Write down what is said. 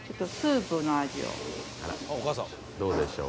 どうでしょうか？